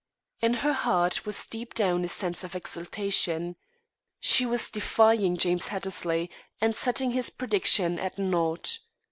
In her heart was deep down a sense of exultation. She was defying James Hattersley and setting his prediction at naught.